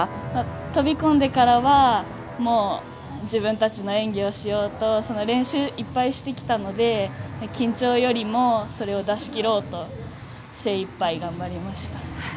飛び込んでからは自分たちの演技をしようと練習をいっぱいしてきたので、緊張よりもそれを出し切ろうと精いっぱい頑張りました。